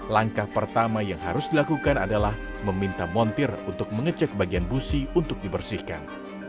langkah pertama yang harus dilakukan adalah meminta montir untuk mengecek bagian busi untuk dibersihkan